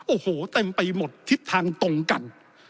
โอ้โหเต็มไปหมดทิศทางตรงกัน